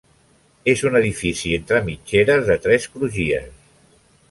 És un edifici entre mitgeres de tres crugies.